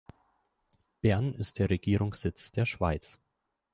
Bern ist der Regierungssitz der Schweiz.